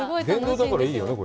電動だから、いいよね。